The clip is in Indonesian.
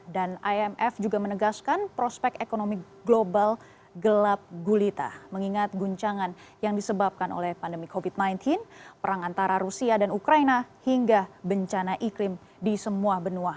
dan imf juga menegaskan prospek ekonomi global gelap gulita mengingat guncangan yang disebabkan oleh pandemi covid sembilan belas perang antara rusia dan ukraina hingga bencana iklim di semua benua